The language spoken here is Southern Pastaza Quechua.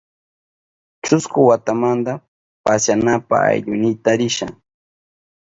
Chusku watamanta pasyanapa aylluynita risha.